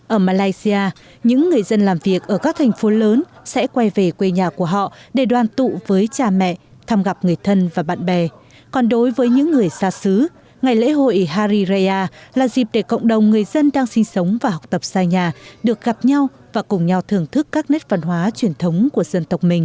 ở malaysia những người dân làm việc ở các thành phố lớn sẽ quay về quê nhà của họ để đoàn tụ với cha mẹ thăm gặp người thân và bạn bè còn đối với những người xa xứ ngày lễ hội hari raya là dịp để cộng đồng người dân đang sinh sống và học tập xa nhà được gặp nhau và cùng nhau thưởng thức các nét văn hóa truyền thống của dân tộc mình